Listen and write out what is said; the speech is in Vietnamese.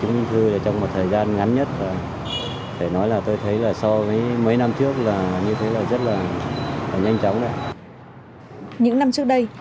những năm trước đây